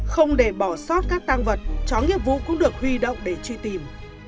không để bỏ sót các tang vật chó nghiệp vũ cũng được huy động để truy tìm